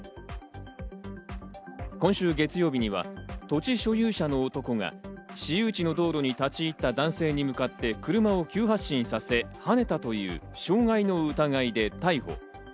今週月曜日には土地所有者の男が、私有地の道路に立ち入った男性に向かって車を急発進させ、はねたという傷害の疑いで逮捕。